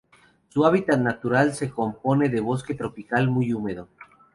Su hábitat natural se compone de bosque tropical muy húmedo.